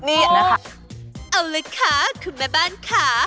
เอาเลยค่ะคุณแม่บ้านค่ะ